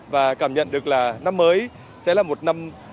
và cảm nhận được là năm mới sẽ là một năm